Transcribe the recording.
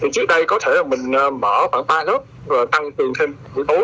thì trước đây có thể là mình mở khoảng ba lớp và tăng thường thêm mỗi tối